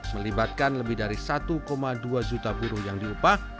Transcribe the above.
melibatkan lebih dari satu dua juta buruh yang diupah